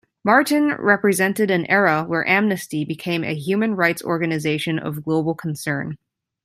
Martin represented an era where Amnesty became a human rights organization of global concern.